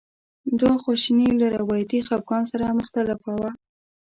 دا خواشیني له روایتي خپګان سره مختلفه وه.